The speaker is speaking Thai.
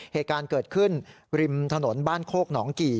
เหตุการณ์เกิดขึ้นริมถนนบ้านโคกหนองกี่